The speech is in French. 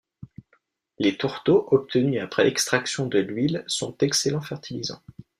Les tourteaux obtenus après extraction de l'huile sont d'excellents fertilisants.